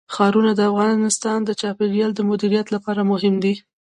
ښارونه د افغانستان د چاپیریال د مدیریت لپاره مهم دي.